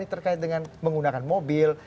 terkait dengan menggunakan mobil